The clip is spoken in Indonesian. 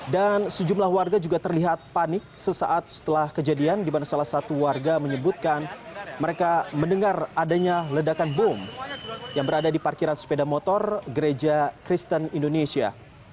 sejumlah warga juga terlihat panik sesaat setelah kejadian di mana salah satu warga menyebutkan mereka mendengar adanya ledakan bom yang berada di parkiran sepeda motor gereja kristen indonesia